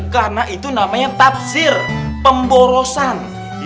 karena itu namanya tafsir pemborosan